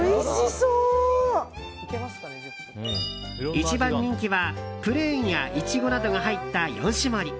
一番人気はプレーンやイチゴなどが入った４種盛り。